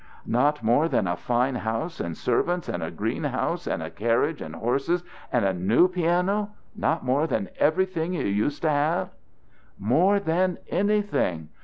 "Not more than a fine house and servants and a greenhouse and a carriage and horses and a new piano not more than everything you used to have!" "More than anything!